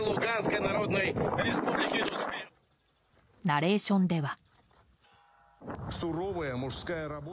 ナレーションでは。